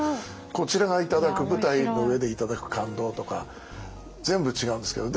こちらが頂く舞台の上で頂く感動とか全部違うんですけど。